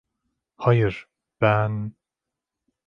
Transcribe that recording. Hayır, ben...